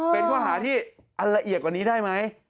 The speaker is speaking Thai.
เป็นข้อหาที่อันละเอียดกว่านี้ได้ไหม